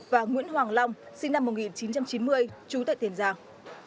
và nguyễn hoàng long sinh năm một nghìn chín trăm chín mươi chú tại tiền giang